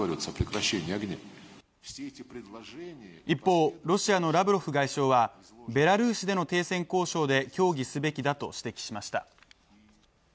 一方、ロシアのラブロフ外相は、ベラルーシでの停戦交渉で協議すべきだと指摘しました。